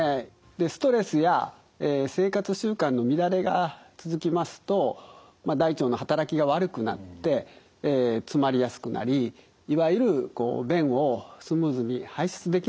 ストレスやえ生活習慣の乱れが続きますとまあ大腸の働きが悪くなってえ詰まりやすくなりいわゆるこう便をスムーズに排出できなくなってきます。